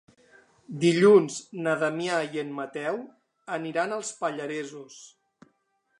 Dilluns na Damià i en Mateu aniran als Pallaresos.